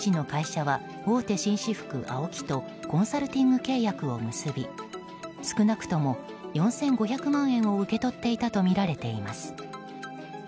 紳士服大手ＡＯＫＩとコンサルティング契約を結び少なくとも４５００万円を受け取っていたとみられています。